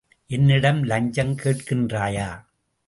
என்னிடம் லஞ்சம் கேட்கின்றாயா?